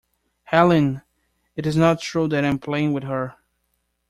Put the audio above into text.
Helene, it is not true that I am playing with her.